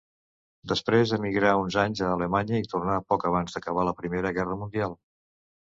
Després emigrà uns anys a Alemanya i tornà poc abans d'acabar la Primera Guerra Mundial.